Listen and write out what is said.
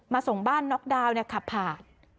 ส่งบ้านน็อกดาวน์ขับผ่าน